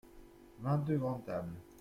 Vingt-deux grandes tables.